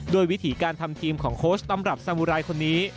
วิถีการทำทีมของโค้ชตำรับสมุรายคนนี้